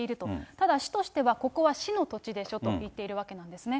ただ、市としては、ここは市の土地でしょと言っているわけなんですね。